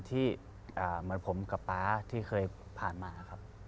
ที่เหมือนผมกับป๊าที่เคยผ่านมาครับ